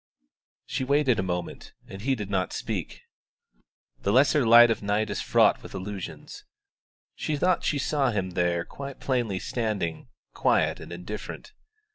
She waited a moment, and he did not speak. The lesser light of night is fraught with illusions. She thought that she saw him there quite plainly standing quiet and indifferent.